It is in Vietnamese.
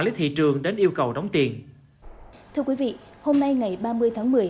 lý thị trường đến yêu cầu đóng tiền thưa quý vị hôm nay ngày ba mươi tháng một mươi